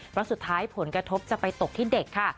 เพราะสุดท้ายผลกระทบจะไปตกที่เด็กค่ะ